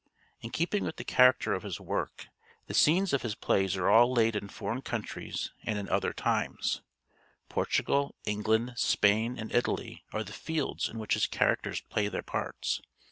In keeping with the character of his work, the scenes of his plays are all laid in foreign countries and in other times: Portugal, England, Spain, and Italy are the fields in which his characters play their parts.